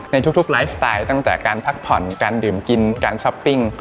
ในทุกไลฟ์สไตล์ตั้งแต่การพักผ่อนการดื่มกินการช้อปปิ้ง